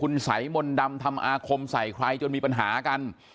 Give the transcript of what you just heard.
คุณสัยมนต์ดำทำอาคมใส่ใครจนมีปัญหากัน